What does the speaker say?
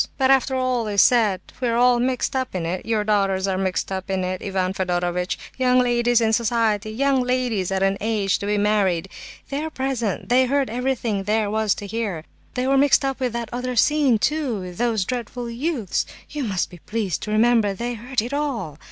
"But after all is said, we are mixed up in it. Your daughters are mixed up in it, Ivan Fedorovitch; young ladies in society, young ladies at an age to be married; they were present, they heard everything there was to hear. They were mixed up with that other scene, too, with those dreadful youths. You must be pleased to remember they heard it all.